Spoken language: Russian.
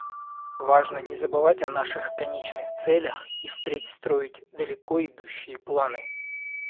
Важно не забывать о наших конечных целях и впредь строить далеко идущие планы.